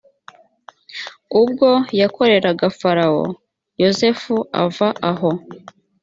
ubwo yakoreraga farawo. yosefu ava aho.